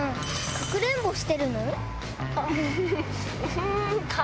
かくれんぼしてるの？